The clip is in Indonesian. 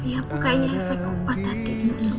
ya pokoknya efek upah tadi